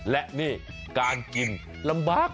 และนี่การกินลำบาก